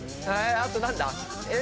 あと何だ？え！